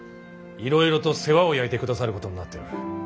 いろいろと世話を焼いてくださることになっておる。